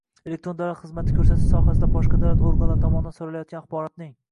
elektron davlat xizmati ko‘rsatish doirasida boshqa davlat organlari tomonidan so‘ralayotgan axborotning